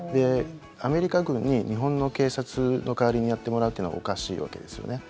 アメリカ軍に日本の警察の代わりにやってもらうというのはおかしいわけですよね。